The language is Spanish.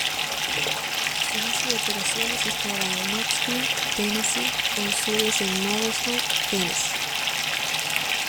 Su base de operaciones estaba en Knoxville, Tennessee, con sedes en Morristown, Tennessee.